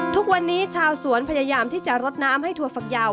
ทุกวันนี้ชาวสวนพยายามที่จะรดน้ำให้ถั่วฝักยาว